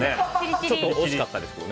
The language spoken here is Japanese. ちょっと惜しかったですね。